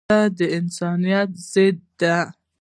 وسله د انسانیت ضد ده